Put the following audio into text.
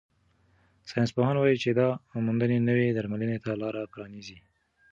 ساینسپوهان وايي چې دا موندنې نوې درملنې ته لار پرانیزي.